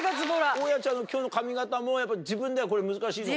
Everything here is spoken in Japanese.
大家ちゃんの今日の髪形も自分ではこれ難しいのか？